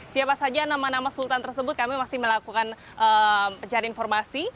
siapa saja nama nama sultan tersebut kami masih melakukan pencarian informasi